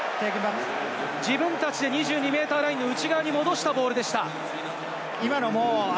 自分たちで２２ｍラインの内側に戻したボールでした。